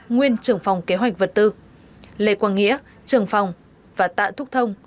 nguyên trưởng phòng kế hoạch vật tư lê quang nghĩa trưởng phòng và tạ thúc thông